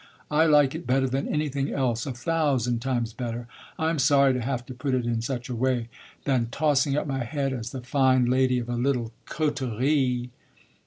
I like it better than anything else a thousand times better (I'm sorry to have to put it in such a way) than tossing up my head as the fine lady of a little coterie."